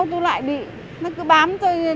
tại vì là bây giờ